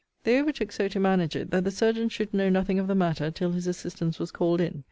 They overtook so to manage it, that the surgeon should know nothing of the matter till his assistance was called in.